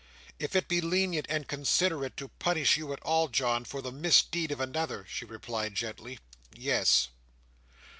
"If it be lenient and considerate to punish you at all, John, for the misdeed of another," she replied gently, "yes."